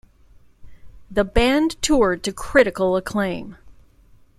The band toured to critical acclaim.